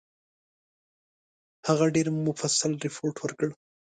هغه ډېر مفصل رپوټ ورکړ.